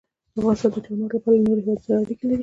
افغانستان د چار مغز له پلوه له نورو هېوادونو سره اړیکې لري.